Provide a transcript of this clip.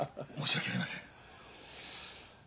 申し訳ありません。